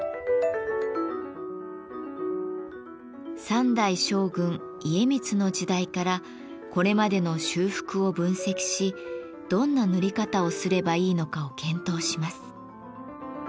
三代将軍家光の時代からこれまでの修復を分析しどんな塗り方をすればいいのかを検討します。